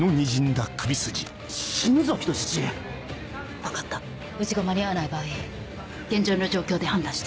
分かったうちが間に合わない場合現場の状況で判断して。